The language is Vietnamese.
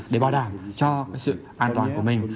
để bảo đảm cho sự an toàn của mình